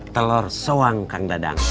telur soang kang dadang